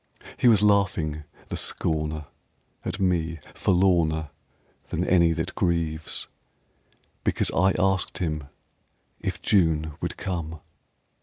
He was laughing, the scorner, At me forlorner Than any that grieves Because I asked him if June would come!